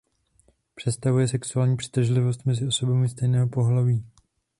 Představuje sexuální přitažlivost mezi osobami stejného pohlaví.